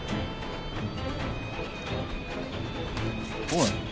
おい！